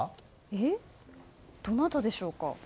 え、どなたでしょうか？